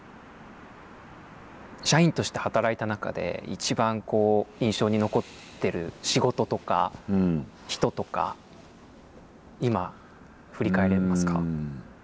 社員として働いた中で一番印象に残ってる仕事とか人とか今振り返れますか？